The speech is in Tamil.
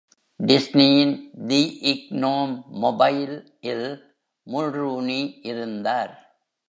டிஸ்னியின் "தி க்னோம்-மொபைல்" இல் முல்ரூனி இருந்தார்.